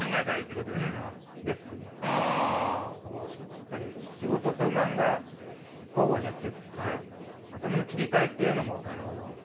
やっぱり仕事と漫画交互にやっていくと頭の切り替えっていうのもちょっと。